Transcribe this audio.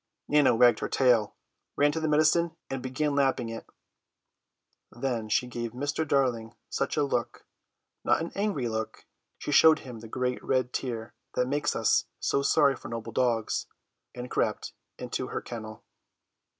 Nana wagged her tail, ran to the medicine, and began lapping it. Then she gave Mr. Darling such a look, not an angry look: she showed him the great red tear that makes us so sorry for noble dogs, and crept into her kennel.